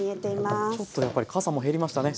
ちょっとやっぱりかさも減りましたね。